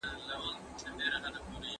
ونې د هوا پاکوالي ته مرسته کوي.